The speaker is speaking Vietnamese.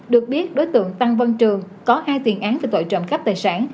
được biết đối tượng tăng văn trường có hai tiền án về tội trộm cắp tài sản